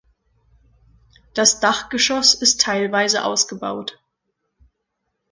Das Dachgeschoss ist teilweise ausgebaut.